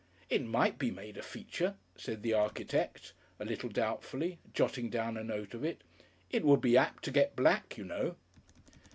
"It might be made a Feature," said the architect, a little doubtfully, jotting down a note of it. "It would be apt to get black, you know."